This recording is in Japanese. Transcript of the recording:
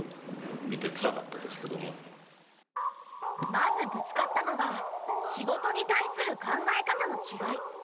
まずぶつかったのが仕事に対する考え方のちがい。